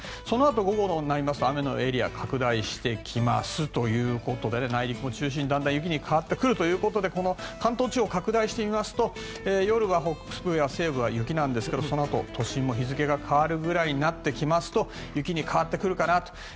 そのあと午後になりますと雨のエリアが拡大してきますということで内陸を中心にだんだん雪に変わってくるということで関東地方、拡大してみますと夜は北部や西部は雪なんですがそのあと都心も日付が変わるぐらいになってきますと雪に変わってくるかなと。